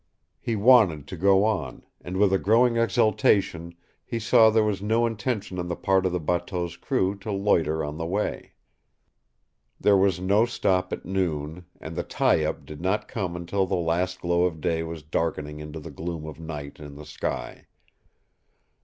He wanted to go on, and with a growing exultation he saw there was no intention on the part of the bateau's crew to loiter on the way. There was no stop at noon, and the tie up did not come until the last glow of day was darkening into the gloom of night in the sky.